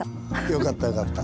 よかったよかった。